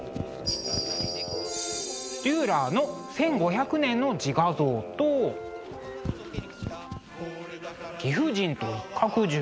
デューラーの「１５００年の自画像」と「貴婦人と一角獣」。